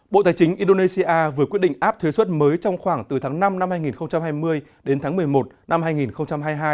bộ tài chính indonesia vừa quyết định áp thuế xuất mới trong khoảng từ tháng năm năm hai nghìn hai mươi đến tháng một mươi một năm hai nghìn hai mươi hai